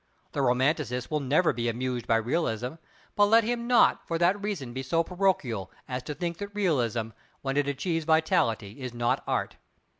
The romanticist will never be amused by realism, but let him not for that reason be so parochial as to think that realism, when it achieves vitality, is not Art.